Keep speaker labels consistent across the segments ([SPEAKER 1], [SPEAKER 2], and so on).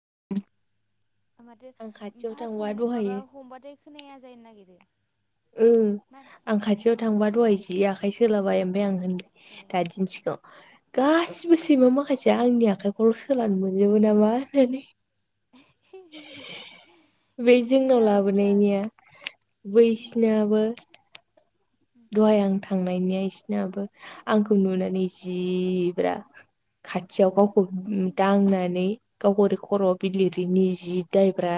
[SPEAKER 1] [unintelligible]
[SPEAKER 2] माथो
[SPEAKER 1] आं खाथियाव थांबा
[SPEAKER 2] फार्स्टआव
[SPEAKER 1] दहायो
[SPEAKER 2] माबा हमबाथाय खोनाया जानो नागिरो।
[SPEAKER 1] उम
[SPEAKER 2] मा
[SPEAKER 1] आं खाथियाव थांबा दहाय जि आखाइ सोलाबाय ओमफाय आं होन
[SPEAKER 2] ए
[SPEAKER 1] दा दिन्थिगौ गासिबो सैमा खायसेया आंनि आखाइखौल' सोलानो मोनजोबो नामा होननानै।
[SPEAKER 2] [unintelligible]
[SPEAKER 1] बे
[SPEAKER 2] इदि
[SPEAKER 1] जोंनाव
[SPEAKER 2] माबाफोरा
[SPEAKER 1] लाबोनायनिया
[SPEAKER 2] उम
[SPEAKER 1] बैसिनाबो दहाय आं थांनायनिया इसिनाबो आंखौ
[SPEAKER 2] उम
[SPEAKER 1] नुनानै जि ब्रा खाथियाव गावखौ दांनानै गावखो ओरि खर'आव बिलिरिनि जि दायब्रा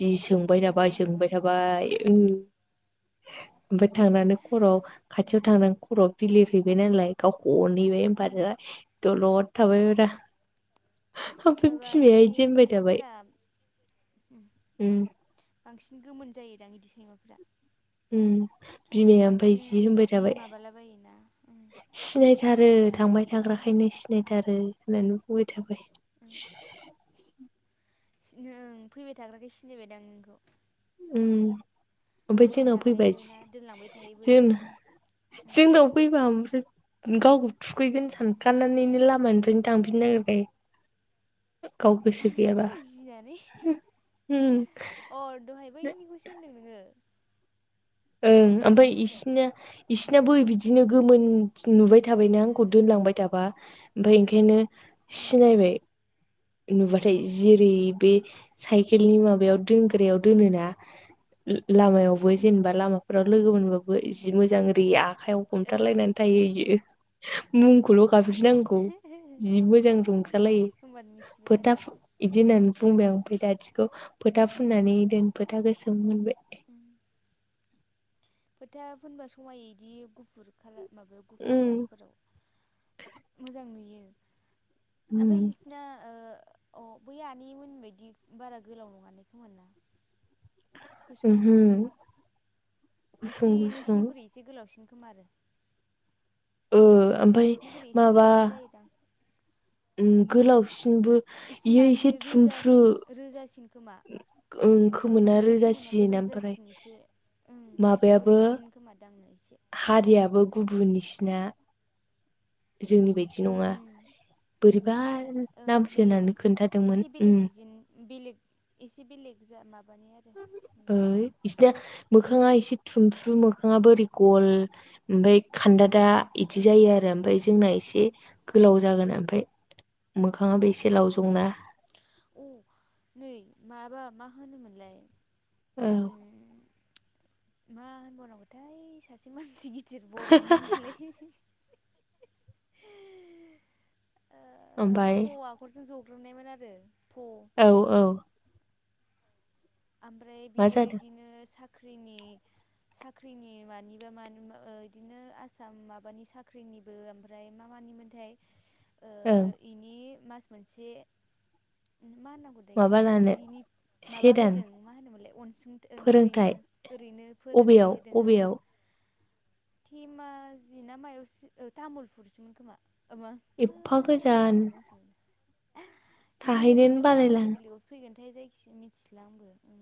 [SPEAKER 1] जि सोंबाय
[SPEAKER 2] दाय
[SPEAKER 1] थाबाय
[SPEAKER 2] जाबाय नामा
[SPEAKER 1] सोंबाय थाबाय ओं ओमफ्राय थांनानै खर' खाथियाव थांना खर'आव बिलिर हैबाय नालाय गावखौ अनहैबाय
[SPEAKER 2] उम
[SPEAKER 1] होमबासो दलद थाबाय ब्रा ओमफ्राय
[SPEAKER 2] माबा
[SPEAKER 1] बिमाया इदि होनबाय थाबाय
[SPEAKER 2] सैमाफोरा उम
[SPEAKER 1] होम
[SPEAKER 2] बांसिन गोमोन जायोदां इदि सैमाफोरा
[SPEAKER 1] उम बिमाया ओमफ्राय
[SPEAKER 2] बांसिन
[SPEAKER 1] जि होनबाय
[SPEAKER 2] ऐदि
[SPEAKER 1] थाबाय
[SPEAKER 2] माबाला बायोना।
[SPEAKER 1] थारो थांबाय थाग्राखायनो सिनायथारो होननानै बुंबाय थाबाय।
[SPEAKER 2] उम।
[SPEAKER 1] [inaudible]
[SPEAKER 2] सिन ओं फैबाय थाग्राखाय सिनायबाय दां नोंखौ।
[SPEAKER 1] उम। ओमफ्राय जोंनाव फैबाय।
[SPEAKER 2] थाखायोबो ना दोनलांबाय थायोबो
[SPEAKER 1] जोंन
[SPEAKER 2] नोङो उम
[SPEAKER 1] जोंनाव फैबा ओमफ्राय गावखौ थुखैगोन सानखानानैनो लामानिफ्रायनो थांफिननो नागिरखायो। गाव गोसो गैयाबा।
[SPEAKER 2] गिनानै
[SPEAKER 1] होम।
[SPEAKER 2] अ दहाय बैनिखौसो होनदों नोङो।
[SPEAKER 1] ओं
[SPEAKER 2] ना
[SPEAKER 1] ओमफ्राय
[SPEAKER 2] माखौ होनदों
[SPEAKER 1] इसिना इसिना बो बिदिनो गोमोन नुबाय। थाबायनो
[SPEAKER 2] ओ
[SPEAKER 1] आंखौ दोनलांबाय थाबा ओमफ्राय
[SPEAKER 2] ओ ओं
[SPEAKER 1] ओंखायनो
[SPEAKER 2] ओं
[SPEAKER 1] सिनायबाय नुबा थाय जिरि बे
[SPEAKER 2] होमबानो
[SPEAKER 1] साइकेलनि माबायाव दोनग्रायाव दोनोना। लामायावबो जेनेबा लामाफोराव लोगो मोनबाबो जि मोजां ओरै आखाइयाव हमथालायनानै थायो इयो। मुंखौल' गाबज्रिनांगौ जि मोजां रंजा लायो।
[SPEAKER 2] मिथिबाय
[SPEAKER 1] फोथा
[SPEAKER 2] आरो
[SPEAKER 1] फ इदि होननानै बुंबाय आं ओमफ्राय बैराथिखौ फोथा फुननानै दोन फोथा गोस [unintelligible]
[SPEAKER 2] [inaudible] फोथा फोनबा समायोदि गुफ गुफुर खालार बाबो गुफुर
[SPEAKER 1] उम
[SPEAKER 2] गाबफोराव। मोजां नुयो।
[SPEAKER 1] उम
[SPEAKER 2] ओमफ्राय इसिना ओ अ बै आनैमोन बायदि बारा गोलाव नङाने खोमा ना? गुसुं
[SPEAKER 1] उमहो
[SPEAKER 2] गुसुंसो।
[SPEAKER 1] गुसुं
[SPEAKER 2] नोंसिनि
[SPEAKER 1] गुसुं
[SPEAKER 2] नोंसिनिख्रुइ इसे गोलावसिन खोमा आरो।
[SPEAKER 1] ओ ओमफाय
[SPEAKER 2] नोंसिनिख्रुइ एसे
[SPEAKER 1] माबा
[SPEAKER 2] गोलावसिन जायोदां
[SPEAKER 1] उम गोलावसिनबो बियो
[SPEAKER 2] माने
[SPEAKER 1] एसे थुमफ्रु।
[SPEAKER 2] रोजासिन रोजासिन खोमा। ओं
[SPEAKER 1] खोमोना
[SPEAKER 2] ओमफ्राय
[SPEAKER 1] रोजा
[SPEAKER 2] खोमोनाबो
[SPEAKER 1] सिन ओमफ्राय
[SPEAKER 2] रोजासिन एसे ओं
[SPEAKER 1] माबायाबो
[SPEAKER 2] गुरैसिन खोमा दांनो एसे।
[SPEAKER 1] हारियाबो गुबुन निसिना जोंनि बायदि
[SPEAKER 2] ओं
[SPEAKER 1] नङा।
[SPEAKER 2] ओं
[SPEAKER 1] बोरैबा
[SPEAKER 2] ओं
[SPEAKER 1] नामसो
[SPEAKER 2] बेलेग
[SPEAKER 1] होननानै
[SPEAKER 2] एसे
[SPEAKER 1] खोन्थादोंमोन।
[SPEAKER 2] बेलेग
[SPEAKER 1] उम।
[SPEAKER 2] डिजाइन बेलेग एसे बेलेग जा माब
[SPEAKER 1] ओ इसिना मोख मोखाङा एसे थुमफ्रु मोखाङाबो ओरै गल ओमफाय खान्दादा दा इदि जायो आरो ओमफ्राय जोंना एसे गोलाव जागोन ओमफ्राय मोख खाङाबो इसे लावजंना। [inaudible]
[SPEAKER 2] ओ अ नै माबा मा होनोमोनलाय?
[SPEAKER 1] औ।
[SPEAKER 2] उम मा होनबावनांगौथाय सासे मानसि गिदिर बर'निमोनलै। ओ
[SPEAKER 1] ओमफाय
[SPEAKER 2] फ आखरजों ज'ग्रोमनायमोन आरो फ [inaudible]
[SPEAKER 1] औ औ
[SPEAKER 2] ओमफ्राय
[SPEAKER 1] मा
[SPEAKER 2] बियो
[SPEAKER 1] जादों
[SPEAKER 2] इदिनो साख्रिनि साख्रिनि मानिबा मानि ओ इदिनो आसाम माबानि साख्रिनिबो ओमफ्राय मा मा मानिमोनथाय। ओ
[SPEAKER 1] औ।
[SPEAKER 2] इनि मास मोनसे मा होननांगौथाय बेखौ
[SPEAKER 1] माबा लानो
[SPEAKER 2] इदिनि माबा
[SPEAKER 1] से
[SPEAKER 2] होद
[SPEAKER 1] दान
[SPEAKER 2] दों मा होनोमोनलाय अनसुं ओं ओरैनो
[SPEAKER 1] फोरोंथाइ
[SPEAKER 2] ओरैनो फोरोंथाइ
[SPEAKER 1] अबेयाव
[SPEAKER 2] होदों ओं।
[SPEAKER 1] अबेयाव
[SPEAKER 2] धेमाजिना मायाव तामुलफुरसोमोन खोमा। ओ बा ओ
[SPEAKER 1] एफा गोजान
[SPEAKER 2] नामखौनो बावफिनलायबाय। इदि
[SPEAKER 1] थाहैनोनो
[SPEAKER 2] नुदोंना
[SPEAKER 1] बालायलां
[SPEAKER 2] बेलेक बेलेगावो फैगोनथाय जायखिजाया मिथिला आंबो। उम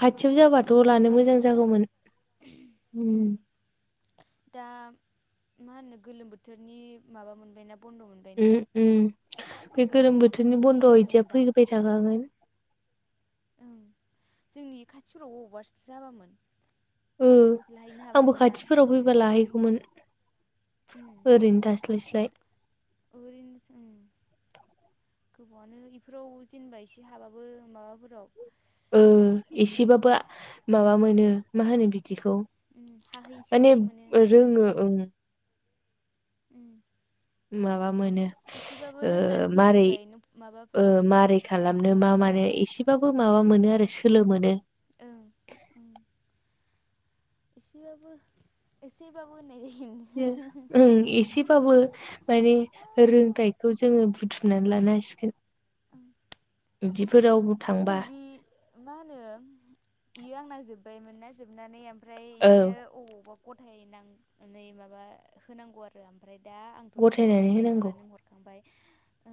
[SPEAKER 1] खाथियाव जाबाथ' लानो
[SPEAKER 2] मोनबालाय
[SPEAKER 1] मोजां
[SPEAKER 2] मोजांमोन
[SPEAKER 1] जागौमोन
[SPEAKER 2] उम
[SPEAKER 1] ओम।
[SPEAKER 2] दा मा होनो गोलोम बोथोरनि माबा मोनबायना बन्द'। मोनबायना
[SPEAKER 1] उम उम बे गोलोम बोथोरनि
[SPEAKER 2] इनि
[SPEAKER 1] बन्द'आव इदिया
[SPEAKER 2] होदोंमोनदां
[SPEAKER 1] फैबाय थाखागोन।
[SPEAKER 2] ओं जोंनि खाथिफोराव अबावबा जाबामोन।
[SPEAKER 1] ओ
[SPEAKER 2] लाहैनो
[SPEAKER 1] आंबो
[SPEAKER 2] हाबायमोन ना
[SPEAKER 1] खाथिफोराव फैबा लाहैगौमोन।
[SPEAKER 2] उम
[SPEAKER 1] ओरैनो थास्लायस्लाय।
[SPEAKER 2] ओरैनो उम गोबावानो बेफोराव जेनेबा एसे हाबाबो माबाफोराव
[SPEAKER 1] ओ
[SPEAKER 2] एसे
[SPEAKER 1] एसेबाबो माबा मोनो। मा
[SPEAKER 2] ओं
[SPEAKER 1] होनो बिदिखौ
[SPEAKER 2] उम
[SPEAKER 1] माने
[SPEAKER 2] हाहैसिननाय मोनो
[SPEAKER 1] रोङो ओं।
[SPEAKER 2] ओम
[SPEAKER 1] माबा मोनो ओ
[SPEAKER 2] रोंनानै
[SPEAKER 1] मारै
[SPEAKER 2] फैसिनबाय
[SPEAKER 1] ओ
[SPEAKER 2] माबाफोराव
[SPEAKER 1] मारै खालामनो
[SPEAKER 2] उम
[SPEAKER 1] मा मानो एसेबाबो माबा मोनो आरो सोलो मोनो।
[SPEAKER 2] ओं ओ एसेबाबो एसे बाबो
[SPEAKER 1] ओं एसेबाबो माने रोंथायखौ जोङो बुथुमनानै लानो हासिगोन।
[SPEAKER 2] ओम
[SPEAKER 1] बिदिफोरावबो थांबा
[SPEAKER 2] मा होनो बियो आंना जोब्बायमोन ना जोबनानै ओमफ्राय
[SPEAKER 1] औ
[SPEAKER 2] बिदिनो अबावबा गथाय नांनानै माबा होनांगौ आरो ओमफ्राय दा आंथ' नोंजों
[SPEAKER 1] गथायनानै
[SPEAKER 2] मोननाय नंला
[SPEAKER 1] होनांगौ
[SPEAKER 2] नों हरखांबाय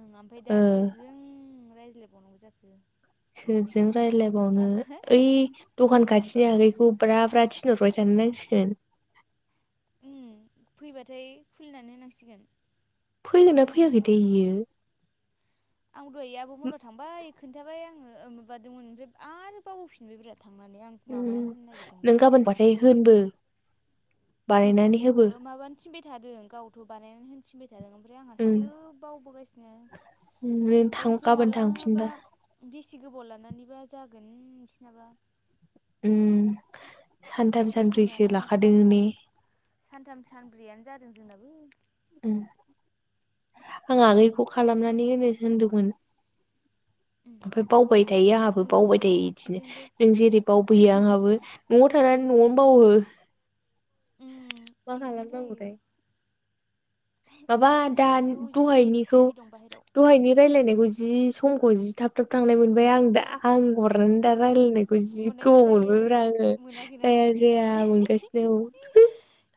[SPEAKER 2] ओं ओमफ्राय दा
[SPEAKER 1] ओ
[SPEAKER 2] सोरजों रायज्लायबावनांगौ जाखो।
[SPEAKER 1] सोरजों रायलायबावनो
[SPEAKER 2] ओमफ्राय
[SPEAKER 1] ओइ दखान खाथिनि आगैखौ ब्रा ब्रा थि नहरबाय थानो नांसिगोन।
[SPEAKER 2] ओम फैबाथाय खुलिनानै होनांसिगोन।
[SPEAKER 1] फैगोनना
[SPEAKER 2] बिनिखौ
[SPEAKER 1] फैयाखैथाय इयो?
[SPEAKER 2] आं दहाय आबौ मोनायाव थांबाय खोन्थाबाय आङो ओ माबादोंमोन ओमफ्राय आरो बावबोफिनबाय ब्रा। थांनानै आं माबानानै होनो नागिरदोंमोन।
[SPEAKER 1] दोनबो।
[SPEAKER 2] ओं ओ माबानो थिनबाय थादों गावथ' बानायनानै होनो थिनबाय था दों ओमफ्राय
[SPEAKER 1] उम
[SPEAKER 2] आंहासो बावबोगासिनो।
[SPEAKER 1] नों
[SPEAKER 2] आरो
[SPEAKER 1] थां
[SPEAKER 2] इथ'
[SPEAKER 1] गाबोन
[SPEAKER 2] मालाबा
[SPEAKER 1] थांफिनबा
[SPEAKER 2] बेसे गोबाव लानानैबा जागोन बिसानाबा।
[SPEAKER 1] उम सानथाम सानब्रैसो
[SPEAKER 2] जोंनानो
[SPEAKER 1] लाखादों ने
[SPEAKER 2] सानथाम सानथाम सानब्रैयानो जादों जोंनाबो।
[SPEAKER 1] ओम आगैखौ खालामनानै होनो होनदोंमोन। ओमफ्राय बावबाय थायो आंहाबो
[SPEAKER 2] ओं
[SPEAKER 1] बावबाय थायो इदिनो
[SPEAKER 2] बेजोंबो
[SPEAKER 1] नों जेरै बावबोयो आंहाबो न'आव थानानै न'आवनो बावो
[SPEAKER 2] उम
[SPEAKER 1] मा
[SPEAKER 2] बिदिनो जायो
[SPEAKER 1] खालामनांगौथाय। माबा दा
[SPEAKER 2] आयौ जि
[SPEAKER 1] दहायनिखौ
[SPEAKER 2] थाम्फै दं बाहेराव
[SPEAKER 1] दहायनि रायलायनायखौ जि समखौ जि थाब थाब थांनाय मोनबाय आं दा आं हरनानै दा रायज्लायनाय जि
[SPEAKER 2] हरनायखौ
[SPEAKER 1] गोबाव
[SPEAKER 2] जायो जे
[SPEAKER 1] मोनबोब्रा आङो
[SPEAKER 2] मोनाखै नामा
[SPEAKER 1] जाया
[SPEAKER 2] नोङो
[SPEAKER 1] जाया मोनगासिनो।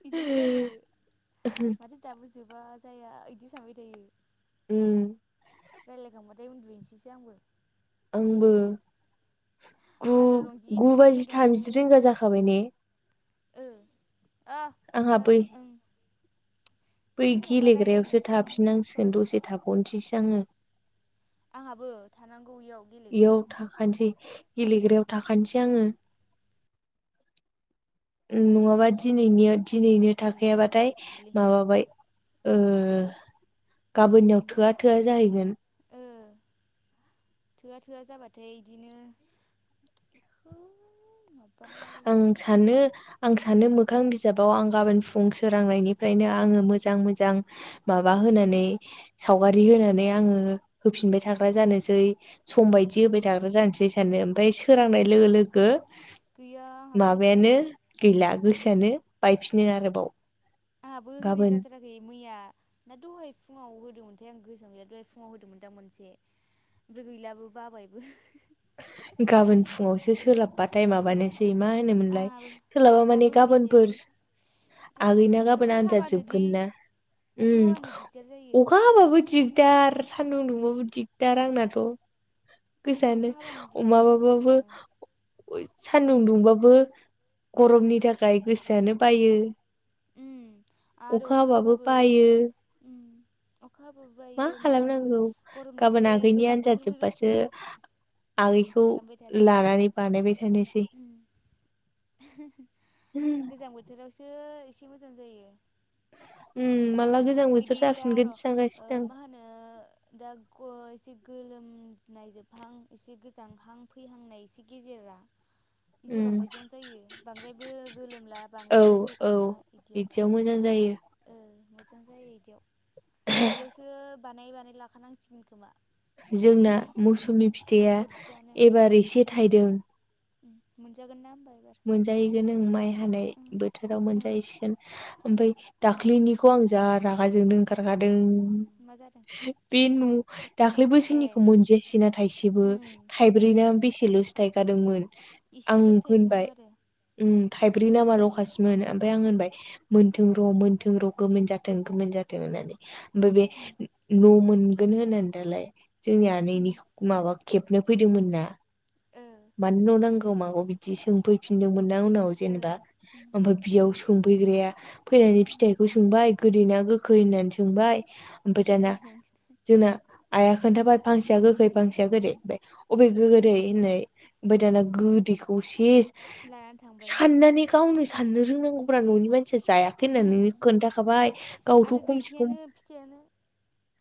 [SPEAKER 2] बिदिनो जायो माथो दाबो जोबा जाया बिदि सानबाय थायो।
[SPEAKER 1] उम
[SPEAKER 2] रायज्लायखांबाथाय उन्दुहैनोसैसो आंबो।
[SPEAKER 1] आंबो।
[SPEAKER 2] बाहेरायाव दं जि
[SPEAKER 1] गु-गु
[SPEAKER 2] थाम्फै
[SPEAKER 1] बाजि
[SPEAKER 2] दं आयु
[SPEAKER 1] थामजि रिंगा जाखाबाय ने?
[SPEAKER 2] ओ ओ
[SPEAKER 1] आंहा
[SPEAKER 2] ओ
[SPEAKER 1] बै
[SPEAKER 2] ओं
[SPEAKER 1] बै
[SPEAKER 2] माबा रायलायनाय
[SPEAKER 1] गेलेग्रायावसो
[SPEAKER 2] समावनो
[SPEAKER 1] थाफिनांसिगोन दसे थाबावनोसैसो आङो
[SPEAKER 2] आंहाबो थानां
[SPEAKER 1] बेयाव थाखानोसै गेलेग्रायाव थाखानोसै आङो [inaudible] उम नङाबा दिनै निया दिनैनो
[SPEAKER 2] गाबोन
[SPEAKER 1] थाखाया
[SPEAKER 2] थानो
[SPEAKER 1] बाथाय
[SPEAKER 2] बाबाय थायोलै
[SPEAKER 1] माबाबाय ओ गाबोननियाव
[SPEAKER 2] ओमफ्राय
[SPEAKER 1] थोआ थोआ जाहैगोन।
[SPEAKER 2] [inaudible] थोआ थोआ जाबाथाय इदिनो माबा
[SPEAKER 1] आं
[SPEAKER 2] रायलायनो
[SPEAKER 1] सानो आंस सानो मोखां बिजाबाव आं गाबोन फुं सोरांनायनिफ्रायनो आङो मोजां मोजां माबा होनाय नै
[SPEAKER 2] उम
[SPEAKER 1] सावगारि होनानै आङो होफिनबाय थाग्रा जानोसै सम बायदि
[SPEAKER 2] उम
[SPEAKER 1] होबाय थाग्रा जानोसै सानो ओमफाय सोरांनाय लोगो लोगो
[SPEAKER 2] गैया आंहाबो
[SPEAKER 1] माबायानो
[SPEAKER 2] होथाराखै
[SPEAKER 1] गैला गोसोआनो बायफिनो आरोबाव।
[SPEAKER 2] आंहाबो होनाय
[SPEAKER 1] गाबोन
[SPEAKER 2] जाथाराखै मैया दा दहाय फुङाव होदोंमोनथाय आं गोसोआवनो गैया दहाय फुङाव होदोंमोन दां मोनसे। ओमफ्राय गैलाबो बाबायबो [unintelligible]
[SPEAKER 1] गाबोन फुङावसो सोलाबबाथाय माबानोस सै मा होनोमोनलाय
[SPEAKER 2] आंहाबो
[SPEAKER 1] सोलाबा माने
[SPEAKER 2] दाबो होनाय जायासै
[SPEAKER 1] गाबोनफोरस आगै ना
[SPEAKER 2] आरो
[SPEAKER 1] गाबोन
[SPEAKER 2] अखा
[SPEAKER 1] आनजाद
[SPEAKER 2] हाबानोलै
[SPEAKER 1] जोबगोन ना।
[SPEAKER 2] अखा
[SPEAKER 1] उम
[SPEAKER 2] हाबानो दिगदार जायो
[SPEAKER 1] अखा हाबाबो दिग दार सान्दुं
[SPEAKER 2] उम
[SPEAKER 1] दुंबाबो दिगदार आंनाथ'
[SPEAKER 2] अखा
[SPEAKER 1] गोसानो
[SPEAKER 2] हाबानो
[SPEAKER 1] अमा
[SPEAKER 2] दिगदार
[SPEAKER 1] मा
[SPEAKER 2] मोनो
[SPEAKER 1] बाबो
[SPEAKER 2] आङो
[SPEAKER 1] सान्दुं दुंबाबो गरमनि थाखाय गोसोआनो बायो।
[SPEAKER 2] उम
[SPEAKER 1] [inaudible] अखा हाबाबो बायो।
[SPEAKER 2] उम अखा हाबाबो
[SPEAKER 1] मा
[SPEAKER 2] माबानो
[SPEAKER 1] खालामनांगौ
[SPEAKER 2] गरम थाखाय
[SPEAKER 1] गाबोन
[SPEAKER 2] बायो
[SPEAKER 1] आगैनि
[SPEAKER 2] गोजां
[SPEAKER 1] आनजाद
[SPEAKER 2] बोथोर
[SPEAKER 1] जोब्बासो
[SPEAKER 2] फैबासो
[SPEAKER 1] आगैखौ
[SPEAKER 2] खालामबाय थादो
[SPEAKER 1] लानानै बानायबाय थानोस [unintelligible]
[SPEAKER 2] [unintelligible] सो एसे मोजां जायो।
[SPEAKER 1] उम माला गोजां
[SPEAKER 2] बिदि
[SPEAKER 1] बोथोर
[SPEAKER 2] दा र'
[SPEAKER 1] जाफिनगोनसो
[SPEAKER 2] ओ
[SPEAKER 1] सानगासिनो आं
[SPEAKER 2] मा होनो दाग अ एसे गोलोमनाय जोबहां एसे गोजांहां फैहांनाय इसे गेजेरा
[SPEAKER 1] उम
[SPEAKER 2] इजोराव मोजां जायो बांद्रायबो गोलोमला
[SPEAKER 1] औ
[SPEAKER 2] बांद्रायबो
[SPEAKER 1] औ
[SPEAKER 2] गोजांला इदियाव
[SPEAKER 1] बिदियाव मोजां जायो।
[SPEAKER 2] ओ मोजां जायो इदियाव इदियावसो बानाय बानाय लाखानांसिगोन खोमा।
[SPEAKER 1] जोंना मौसुमि फिथाइया
[SPEAKER 2] बुरजानो
[SPEAKER 1] एबार एसे थायदों।
[SPEAKER 2] मोनजागोन ना होमबाद
[SPEAKER 1] मोनजाहैगोन ओं माइ हानाय बोथोराव
[SPEAKER 2] ओं
[SPEAKER 1] मोनजाहैसिगोन ओमफाय
[SPEAKER 2] माइ
[SPEAKER 1] दाख्लैनिखौ
[SPEAKER 2] हानायाव
[SPEAKER 1] आं जा राग गा जोंनो ओंखारखादों
[SPEAKER 2] मा जादों
[SPEAKER 1] बे न' दाख्लैबो
[SPEAKER 2] ए
[SPEAKER 1] बोसोरनिखो मोनजायासै ना थाइसेबो
[SPEAKER 2] उम उम
[SPEAKER 1] थाइब्रैना बेसेल'सो थायखादोंमोन। आं
[SPEAKER 2] इसेल'सो थायदोंमोन
[SPEAKER 1] होनबाय
[SPEAKER 2] थ' आरो।
[SPEAKER 1] उम थाइब्रैना मा ल'खासोमोन ओमफाय
[SPEAKER 2] उम
[SPEAKER 1] आं होनबाय मोनथों र' मोनथों र' गोमोन जाथों गोमोन जाथों होननानै ओमफाय बे
[SPEAKER 2] उम
[SPEAKER 1] न' मोन गोन होननानै दालाय जोंनि
[SPEAKER 2] उम
[SPEAKER 1] आनैनिखौ माबा खेबनो फैदोंमोन ना।
[SPEAKER 2] ओ
[SPEAKER 1] मानो न' नांगौ मागौ बिदि सोंफैफिनदोंमोन ना उनाव
[SPEAKER 2] ओ
[SPEAKER 1] जेनेबा
[SPEAKER 2] उम
[SPEAKER 1] ओमफाय
[SPEAKER 2] उम
[SPEAKER 1] बियाव सोंफैग्राया फैनानै फिथाइखौ सोंबाय गोदैना गोखै होननानै सोंबाय ओमफाय
[SPEAKER 2] गोदै
[SPEAKER 1] दाना
[SPEAKER 2] होनांगोन
[SPEAKER 1] जोंना आइआ खोन्थाबाय फांसेया गोखै फांसेया गोदै ओमफाय अबे गोदै होननाय फाय दाना गोदैखौ सेस
[SPEAKER 2] लानानै थांबाय
[SPEAKER 1] साननानै गावनो साननो रोंनांगौब्रा न'नि मान सिया जायाखै
[SPEAKER 2] उम
[SPEAKER 1] होननानै खोन्थाखाबाय गावथ'
[SPEAKER 2] आरो
[SPEAKER 1] खमसे खम
[SPEAKER 2] गैखायानो फिथाइयानो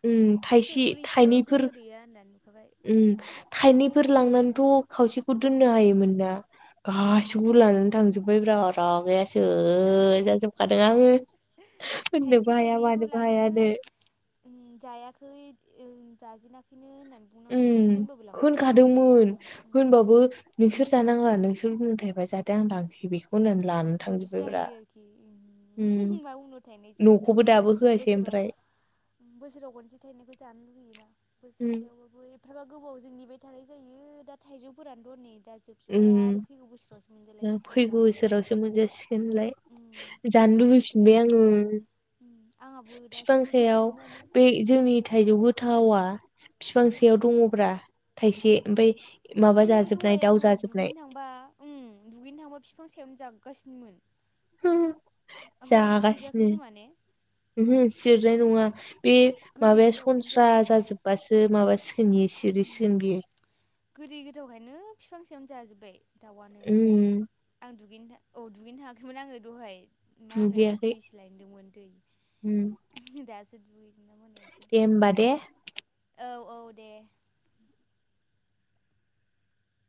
[SPEAKER 1] उम थाइसे
[SPEAKER 2] फिथाइखौनो एसेल'
[SPEAKER 1] थाइनैफोर
[SPEAKER 2] गोदैया होननानै नुखाबाय
[SPEAKER 1] उम थाइनैफोर लांना थ' खावसेखौ दोननो
[SPEAKER 2] उम
[SPEAKER 1] हायोमोन ना
[SPEAKER 2] उम
[SPEAKER 1] गासिखौबो लानानै थांजोब्बाय ब्रा रागाया सो जाजोब खादों आङो। होननोबो
[SPEAKER 2] थाइसे
[SPEAKER 1] हाया
[SPEAKER 2] थाइनैखौ
[SPEAKER 1] मानोबो हायानो
[SPEAKER 2] लांदोंमोन उम जायाखै उम जाजेनाखै
[SPEAKER 1] उम होनखादोंमोन
[SPEAKER 2] नामा उम
[SPEAKER 1] होनबाबो नोंसोर जानांङा नोंसोर बुंथायबा जादों आं लांसै बेखौ होननानै लानानै
[SPEAKER 2] बिदि
[SPEAKER 1] थांजोब्बायब्रा
[SPEAKER 2] जालायो आरोखि उम मा उनाव थानायसै
[SPEAKER 1] न'खौबो
[SPEAKER 2] खोथासे
[SPEAKER 1] दाबो होआसै
[SPEAKER 2] बोसोराव
[SPEAKER 1] ओमफ्राय
[SPEAKER 2] उम बोसोराव गनसे थायनायखौ जानो लुुबैयोना
[SPEAKER 1] उम
[SPEAKER 2] बोसोरसेयावबाबो एफाबा गोबावजों नेबाय थानाय जायो दा थाइजौफोरानोथ' नै दा जोबसोबाय
[SPEAKER 1] उम
[SPEAKER 2] आरो फैगौ बोसोरावसो मोनजालायसि गोनलाय
[SPEAKER 1] जोबसिगोनलाय जानो लुबैफिनबाय
[SPEAKER 2] फिथाइफोराबो
[SPEAKER 1] आङो
[SPEAKER 2] उम आंहाबो दासो
[SPEAKER 1] बिफां सायाव
[SPEAKER 2] जोबजोबनानै
[SPEAKER 1] बे जोंनि थाइजौ गोथावा
[SPEAKER 2] उम
[SPEAKER 1] बिफांसेयाव दङब्रा थाइसे ओमफ्राय माबा
[SPEAKER 2] ए
[SPEAKER 1] जाजोब
[SPEAKER 2] दहाय आङो दुगैनो थांबा उम दुगैनो थांबा बिफां सायावनो जागासिनो नो
[SPEAKER 1] ओ
[SPEAKER 2] सिजायाखै
[SPEAKER 1] जागासिनो
[SPEAKER 2] खोमा ने
[SPEAKER 1] उमहो जिरनाय नङा बे
[SPEAKER 2] गोदै
[SPEAKER 1] माबाया
[SPEAKER 2] गोथावखायनो
[SPEAKER 1] संस्रा
[SPEAKER 2] जायो
[SPEAKER 1] जाजोबबासो माबासो नि सिरि
[SPEAKER 2] उम
[SPEAKER 1] सिगोन बियो
[SPEAKER 2] सेम जाजोबबाय दाउआनो दहाय
[SPEAKER 1] उम
[SPEAKER 2] आं दुगैनो औ दुगैनो थाङाखैमोन आङो दहाय मा होनो
[SPEAKER 1] दुगैयाखै
[SPEAKER 2] दैसो लायदोंमोन दै दासो दु
[SPEAKER 1] ए होमबा दे
[SPEAKER 2] औ औ दे